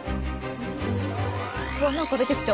わっ何か出てきた。